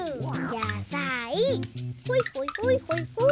やさいほいほいほいほいほい。